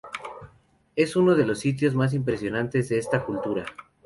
Es uno de los sitios más impresionantes de esta cultura.